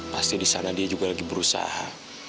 pasti di sana dia juga lagi berusaha